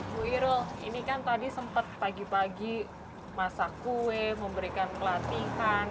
bu irul ini kan tadi sempat pagi pagi masak kue memberikan pelatihan